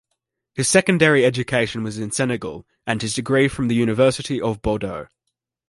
His secondary education was in Senegal and his degree from the University of Bordeaux.